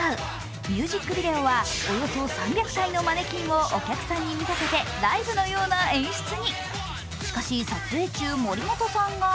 ミュージックビデオはおよそ３００体のマネキンをお客さんに見立ててライブのような演出に。